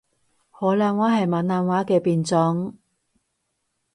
海南話係閩南話嘅變種